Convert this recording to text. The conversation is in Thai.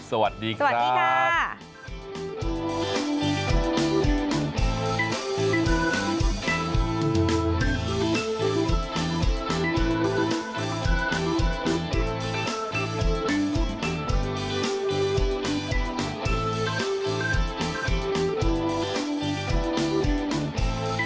สวัสดีครับสวัสดีครับสวัสดีครับ